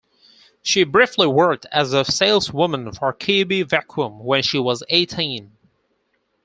She briefly worked as a saleswoman for Kirby vacuum when she was eighteen.